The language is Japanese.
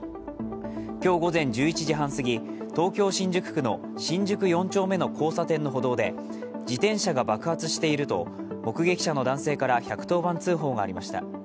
今日午前１１時半過ぎ、東京・新宿区の新宿４丁目の交差点の歩道で自転車が爆発していると目撃者の男性から１１０番通報がありました。